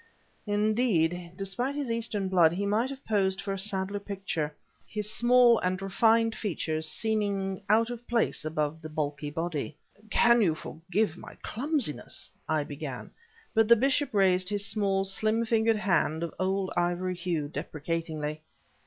Indeed, despite his Eastern blood, he might have posed for a Sadler picture, his small and refined features seeming out of place above the bulky body. "Can you forgive my clumsiness," I began But the bishop raised his small, slim fingered hand of old ivory hue, deprecatingly.